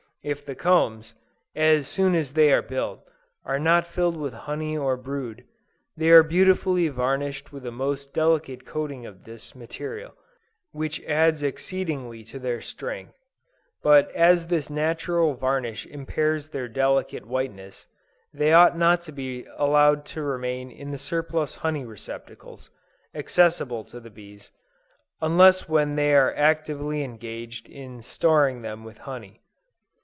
If the combs, as soon as they are built, are not filled with honey or brood, they are beautifully varnished with a most delicate coating of this material, which adds exceedingly to their strength: but as this natural varnish impairs their delicate whiteness, they ought not to be allowed to remain in the surplus honey receptacles, accessible to the bees, unless when they are actively engaged in storing them with honey.